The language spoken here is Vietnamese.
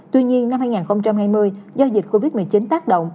tuy nhiên năm hai nghìn hai mươi do dịch covid một mươi chín tác động